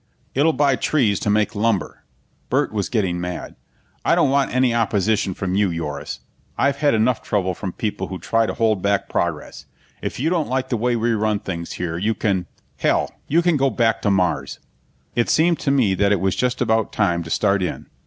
"It'll buy trees to make lumber." Burt was getting mad. "I don't want any opposition from you, Yoris. I've had enough trouble from people who try to hold back progress. If you don't like the way we run things here, you can hell, you can go back to Mars!" It seemed to me that it was just about time to start in.